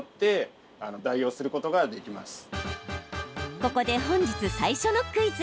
ここで本日最初のクイズ。